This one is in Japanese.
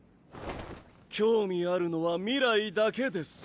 興味あるのは未来だけです。